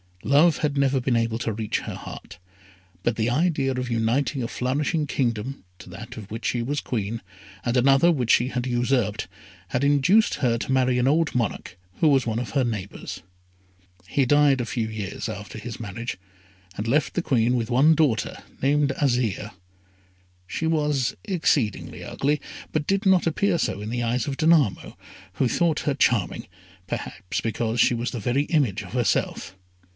Love had never been able to reach her heart, but the idea of uniting a flourishing kingdom to that of which she was Queen, and another which she had usurped, had induced her to marry an old monarch, who was one of her neighbours. He died a few years after his marriage, and left the Queen with one daughter, named Azire. She was exceedingly ugly, but did not appear so in the eyes of Danamo, who thought her charming, perhaps because she was the very image of herself.